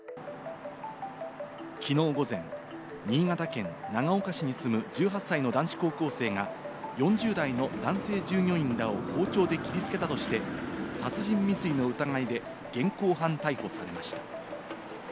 きのう午前、新潟県長岡市に住む１８歳の男子高校生が４０代の男性従業員らを包丁で切りつけたとして、殺人未遂の疑いで現行犯逮捕されました。